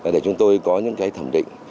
để chúng tôi có những thẩm định